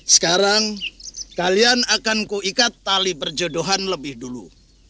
sekarang kalian akan kuikat tali perjodohan lebih dulu